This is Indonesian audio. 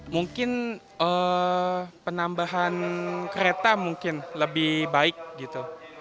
mungkin penambahan kereta mungkin lebih baik gitu